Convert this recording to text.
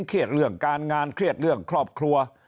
เครียดเรื่องการงานเครียดเรื่องครอบครัว